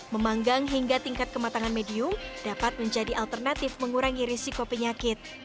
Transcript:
memanggang hingga tingkat kematangan medium dapat menjadi alternatif mengurangi risiko penyakit